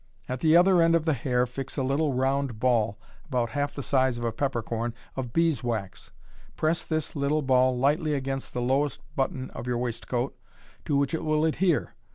At the other end of the hair fix a little round ball (about half the size of a pepper corn) of bees' wax. Press this little ball lightly against the lowest button of your waistcoat, to which it will adhere.